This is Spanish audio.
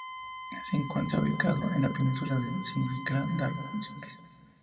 Se encuentra ubicado en la península de Fischland-Darß-Zingst.